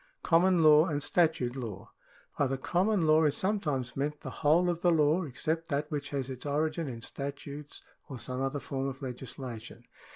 Common law and statute law. — By the common law is sometimes meant the whole of the law except that which has its origin in statutes or some other form of legislation.